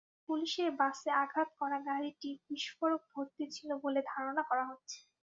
পুলিশের বাসে আঘাত করা গাড়িটি বিস্ফোরক ভর্তি ছিল বলে ধারণা করা হচ্ছে।